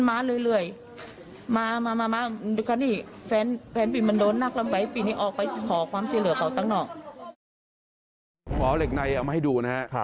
วาวเเหล็กในเอามาให้ดูนะครับ